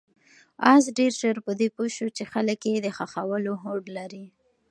آس ډېر ژر په دې پوه شو چې خلک یې د ښخولو هوډ لري.